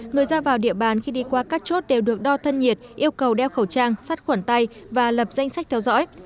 người ra vào địa bàn khi đi qua các chốt đều được đo thân nhiệt yêu cầu đeo khẩu trang sắt khuẩn tay và lập danh sách theo dõi